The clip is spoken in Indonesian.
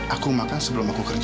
aku makan sebelum aku kerja